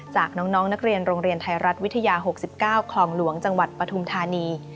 จากน้องนักเรียนโรงเรียนไทยรัฐวิทยา๖๙คลองหลวงจังหวัดปฐุมธานี